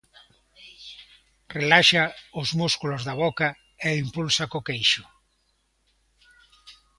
Relaxa os músculos da boca e impulsa co queixo.